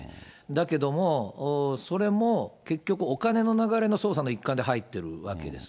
だけども、それも結局お金の流れの捜査のいっかんで入ってるわけです。